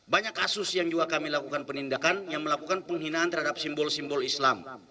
banyak kasus yang juga kami lakukan penindakan yang melakukan penghinaan terhadap simbol simbol islam